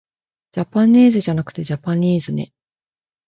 じゃぱねーぜじゃなくてじゃぱにーずね